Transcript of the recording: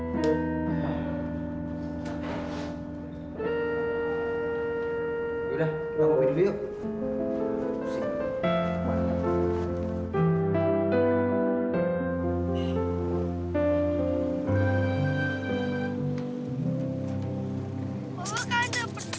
ya nah mbak bisa seperti ini won't